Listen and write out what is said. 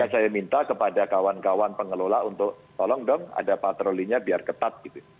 saya minta kepada kawan kawan pengelola untuk tolong dong ada patrolinya biar ketat gitu